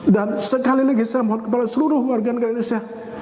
dan sekali lagi saya mohon kepada seluruh warga indonesia